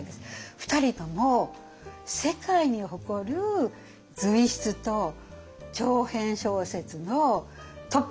２人とも世界に誇る随筆と長編小説のトップの人なんですね。